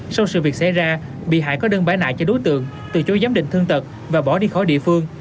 sau sự việc xảy ra bị hại có đơn bãi lại cho đối tượng từ chối giám định thương tật và bỏ đi khỏi địa phương